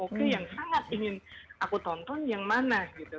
nah penonton akan lebih selektif dan menentukan mana nih dari sekian banyak yang paling over